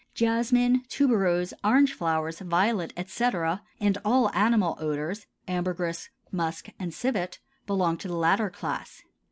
Jasmine, tuberose, orange flowers, violet, etc., and all animal odors (ambergris, musk, and civet) belong to the latter class.